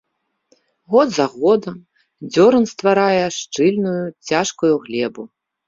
Год за годам дзёран стварае шчыльную, цяжкую глебу.